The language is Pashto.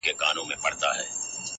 هغه وای نه چي څوم چي ويني سجده نه کوي,